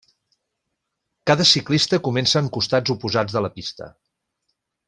Cada ciclista comença en costats oposats de la pista.